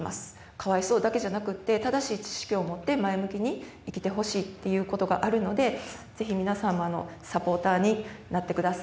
かわいそうだけじゃなくって正しい知識を持って前向きに生きてほしいっていうことがあるのでぜひ皆さんもサポーターになってください